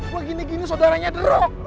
lo gini gini sodaranya deruk